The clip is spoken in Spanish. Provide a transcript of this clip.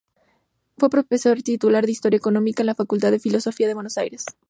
Fue profesor titular de Historia Económica en la Facultad de Filosofía de Buenos Aires.